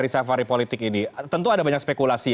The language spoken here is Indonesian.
di safari politik ini tentu ada banyak spekulasi